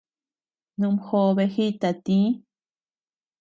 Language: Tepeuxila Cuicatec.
Numjobe jita tï.